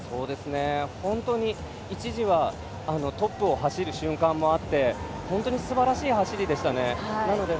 本当に一時はトップを走る瞬間もあって本当にすばらしい走りでしたね。